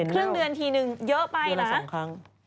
ครึ่งเดือนทีนึงเยอะไปนะ